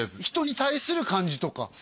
人に対する感じとか？